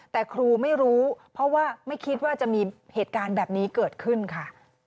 แต่ครูไม่รู้เพราะว่าไม่คิดว่าจะมีเหตุการณ์แบบนี้เกิดขึ้นค่ะ